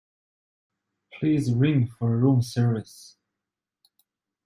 Please ring for room service